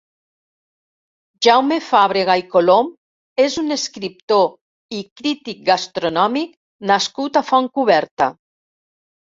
Jaume Fàbrega i Colom és un escriptor i crític gastronòmic nascut a Fontcoberta.